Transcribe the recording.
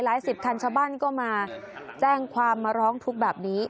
สิบคันชาวบ้านก็มาแจ้งความมาร้องทุกข์แบบนี้